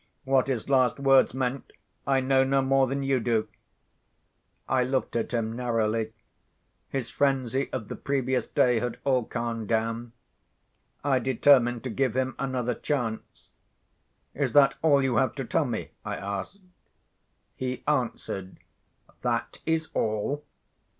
"What his last words meant I know no more than you do." I looked at him narrowly. His frenzy of the previous day had all calmed down. I determined to give him another chance. "Is that all you have to tell me?" I asked. He answered, "That is all."